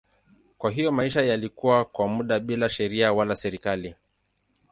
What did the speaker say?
Kwa hiyo maisha yalikuwa kwa muda bila sheria wala serikali.